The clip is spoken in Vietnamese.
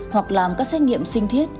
hoặc làm các xét nghiệm sinh thiết